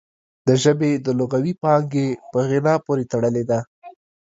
د ژبې د لغوي پانګې په غنا پورې تړلې ده